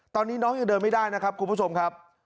ตอนนี้น้องยังเดินไม่ได้นะครับคุณผู้ชมครับ